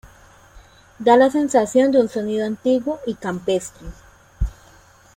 Da la sensación de un sonido antiguo y campestre.